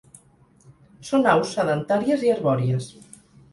Són aus sedentàries i arbòries.